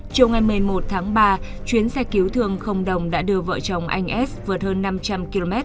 chiều ngày một mươi một tháng ba chuyến xe cứu thương không đồng đã đưa vợ chồng anh s vượt hơn năm trăm linh km